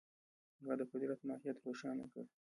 هغه د قدرت ماهیت روښانه کړ.